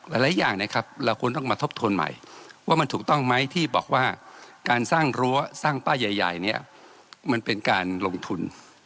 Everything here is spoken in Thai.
หลายอย่างนะครับเราควรต้องมาทบทวนใหม่ว่ามันถูกต้องไหมที่บอกว่าการสร้างรั้วสร้างป้ายใหญ่เนี่ยมันเป็นการลงทุน